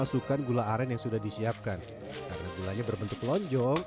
nah sebelum dimasukkan ke dalam kualen besar ini memang jagung jagung ini berbentuk berbentuk lonjong